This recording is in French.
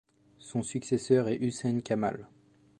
Son successeur est Hussein Kamal.